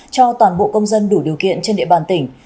cho toàn bộ công dân đủ điều kiện trên địa bàn tỉnh